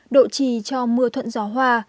độ trì cho mưa thuận gió hoa